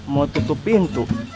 mau tutup pintu